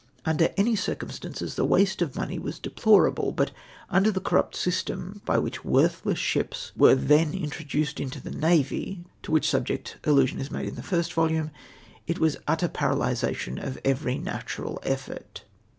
Under any circumstances, the waste of money was deplorable, but under the corrupt system by which worthless ships 148 BAD SQUIBS. were then introduced into the Navy, to which subject allusion is made in tlie first volume, it was utter paralysation of every natural effort.